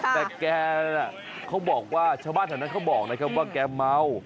แต่แกน่ะเขาบอกว่าชาวบ้านแถวนั้นเขาบอกนะครับว่าแกเมา